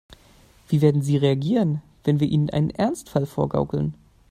Wie werden sie reagieren, wenn wir ihnen einen Ernstfall vorgaukeln?